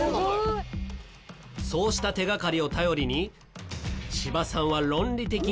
そうした手がかりを頼りに千葉さんは論理的に攻め。